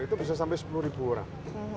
itu bisa sampai sepuluh orang